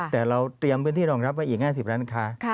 แต่เราเตรียมพื้นที่รองรับไว้อีก๕๐ร้านค้า